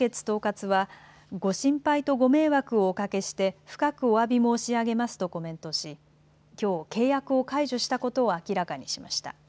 東葛はご心配とご迷惑をおかけして深くおわび申し上げますとコメントしきょう、契約を解除したことを明らかにしました。